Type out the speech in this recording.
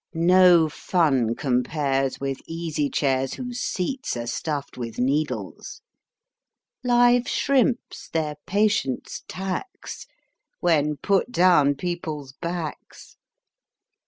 No fun compares with easy chairs whose seats are stuffed with needles â Live shrimps their patience tax When put down people's backs.